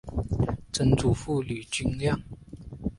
曾祖父李均亮。